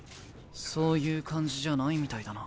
そういう感じじゃないみたいだな。